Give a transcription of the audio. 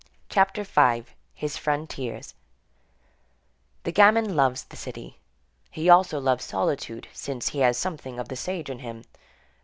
CHAPTER V—HIS FRONTIERS The gamin loves the city, he also loves solitude, since he has something of the sage in him.